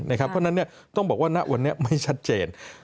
เพราะฉะนั้นต้องบอกว่าณวันนี้ไม่ชัดเจน